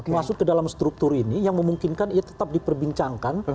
masuk ke dalam struktur ini yang memungkinkan ia tetap diperbincangkan